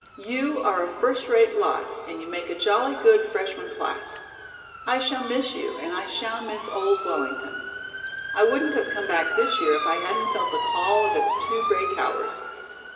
You are a first rate lot and you make a jolly good freshman class. I shall miss you, and I shall miss old Wellington. I wouldn't have come back this year if I hadn't felt the call of its two gray towers.